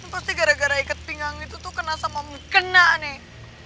pasti gara gara ikat pinggang itu tuh kena sama mukena nih